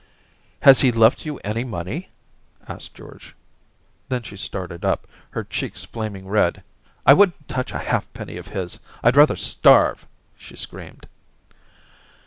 * Has he left you any money }' asked George. Then she started up, her cheeks flaming red. * I wouldn't touch a halfpenny of his. I'd rather starve !' she screamed.